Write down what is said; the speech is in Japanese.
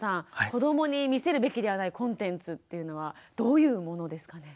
子どもに見せるべきではないコンテンツっていうのはどういうものですかね？